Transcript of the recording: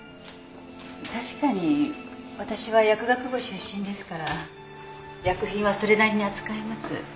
確かにわたしは薬学部出身ですから薬品はそれなりに扱えます。